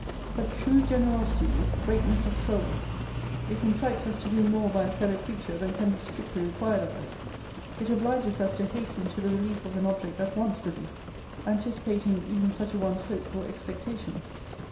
But TRUE GENEROSITY is greatness of soul. It incites us to do more by a fellow creature than can be strictly required of us. It obliges us to hasten to the relief of an object that wants relief; anticipating even such a one's hope or expectation.